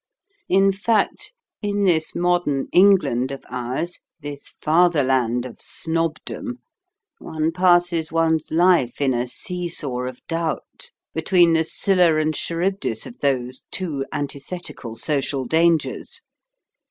In fact, in this modern England of ours, this fatherland of snobdom, one passes one's life in a see saw of doubt, between the Scylla and Charybdis of those two antithetical social dangers.